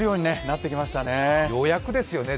ようやくですよね。